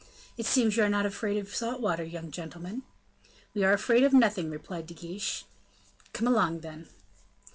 "It seems you are not afraid of salt water, young gentlemen." "We are afraid of nothing," replied De Guiche. "Come along, then."